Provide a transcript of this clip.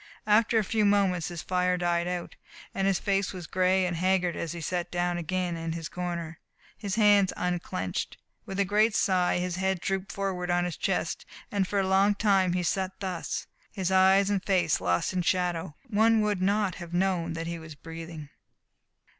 After a few moments this fire died out, and his face was gray and haggard as he sat down again in his corner. His hands unclenched. With a great sigh his head drooped forward on his chest, and for a long time he sat thus, his eyes and face lost in shadow. One would not have known that he was breathing.